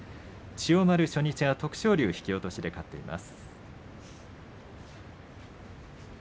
千代丸、初日は徳勝龍に引き落としで勝っています。